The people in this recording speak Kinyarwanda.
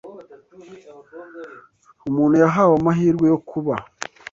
Umuntu yahawe amahirwe yo kuba